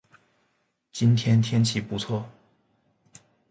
今天天气不错